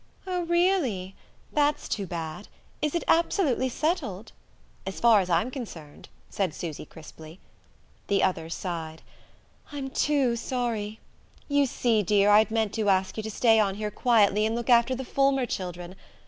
"Oh, really? That's too bad. Is it absolutely settled ?" "As far as I'm concerned," said Susy crisply. The other sighed. "I'm too sorry. You see, dear, I'd meant to ask you to stay on here quietly and look after the Fulmer children.